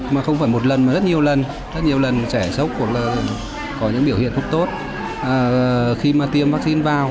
mà không phải một lần mà rất nhiều lần rất nhiều lần trẻ sốc hoặc là có những biểu hiện không tốt khi mà tiêm vaccine vào